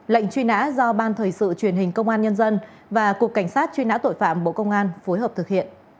lệnh truy nã do ban thời sự truyền hình công an nhân dân và cục cảnh sát truy nã tội phạm bộ công an phối hợp thực hiện